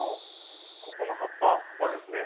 ここの葉っぱはですね